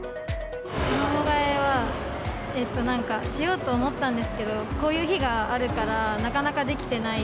衣がえはしようと思ったんですけど、こういう日があるから、なかなかできてない。